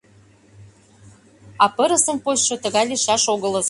А пырысын почшо тыгай лийшаш огылыс.